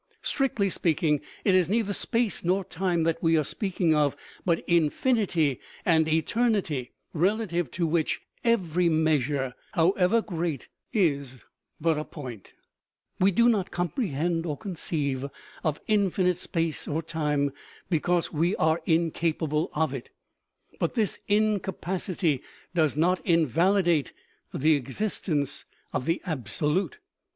Strictly speaking, it is neither space nor time that we are speaking of, but infinity and eternity, rela tive to which every measure, however great, is but a point. We do not comprehend or conceive of infinite space or time, because we are incapable of it. But this incapacity does not invalidate the existence of the absolute.